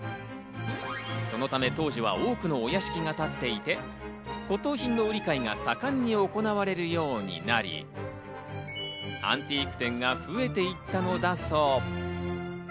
そのため当時は多くのお屋敷が建っていて、骨董品の売り買いが盛んに行われるようになり、アンティーク店が増えていったのだそう。